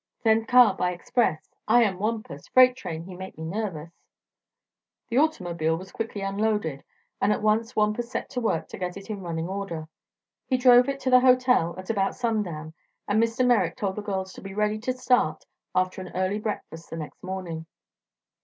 Send car by express. I am Wampus. Freight train he make me nervous." The automobile was quickly unloaded and at once Wampus set to work to get it in running order. He drove it to the hotel at about sundown and Mr. Merrick told the girls to be ready to start after an early breakfast the next morning.